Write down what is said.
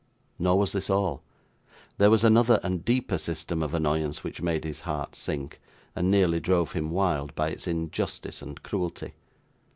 Nor was this all. There was another and deeper system of annoyance which made his heart sink, and nearly drove him wild, by its injustice and cruelty.